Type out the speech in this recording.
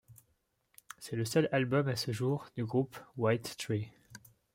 C'est le seul album, à ce jour, du groupe Whitetree.